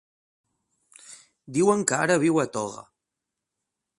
Diuen que ara viu a Toga.